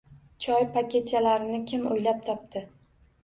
Choy paketchalarini kim o’ylab topdi?